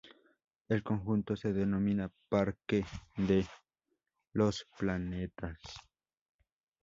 El conjunto se denomina Parque de los planetas.